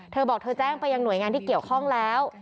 เธอบอกเธอแจ้งไปยังหน่วยงานที่เกี่ยวข้องแล้ว